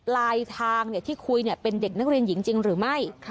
ลายทางที่คุยเป็นเด็กนักเรียนหญิงจริงหรือไม่